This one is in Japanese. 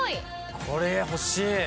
これ欲しい。